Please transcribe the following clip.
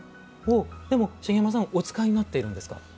でも、お使いになっているんですか。